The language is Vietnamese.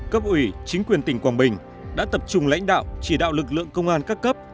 cấp ủy chính quyền tỉnh quảng bình đã tập trung lãnh đạo chỉ đạo lực lượng công an các cấp